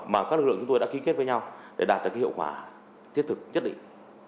mà các lực lượng chúng tôi đã ký kết với nhau để đạt được hiệu quả thiết thực nhất định